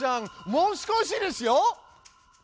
もう少しですよ！